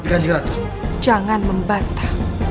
aku tidak akan melawan braga